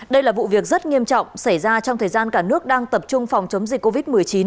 đây là vụ việc rất nghiêm trọng xảy ra trong thời gian cả nước đang tập trung phòng chống dịch covid một mươi chín